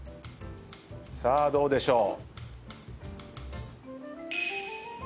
さあどうでしょう？